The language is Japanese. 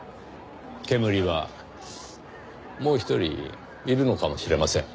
けむりはもう一人いるのかもしれません。